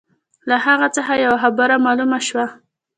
له هغه څخه یوه خبره معلومه شوه.